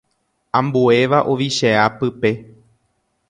Ambuéva ovichea pype.